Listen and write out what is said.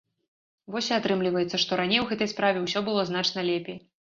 Вось і атрымліваецца, што раней у гэтай справе ўсё было значна лепей.